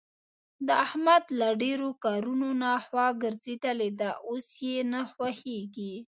د احمد له ډېرو کارونو نه خوا ګرځېدلې ده. اوس یې نه خوښږېږي.